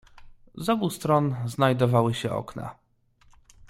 "Z obu stron znajdowały się okna."